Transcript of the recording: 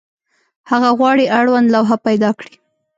هغه غواړي اړوند لوحه پیدا کړي.